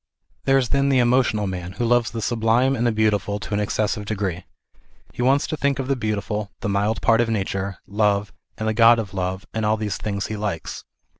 There is then the emotional man, who loves the sublime and the beautiful to an exces sive degree. He wants to think of the beautiful, the mild part of nature, Love, and the god of Love, and all these things he likes.